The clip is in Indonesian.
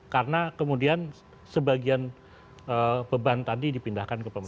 karena kemudian sebagian beban tadi dipindahkan ke pemerintah